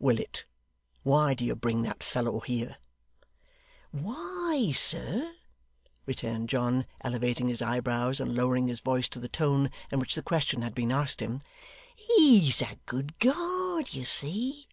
'Willet, why do you bring that fellow here?' 'Why, sir,' returned John, elevating his eyebrows, and lowering his voice to the tone in which the question had been asked him, 'he's a good guard, you see.